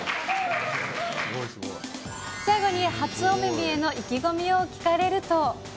最後に初お目見えの意気込みを聞かれると。